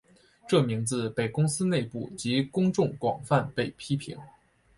这名字被公司内部及公众广泛被批评。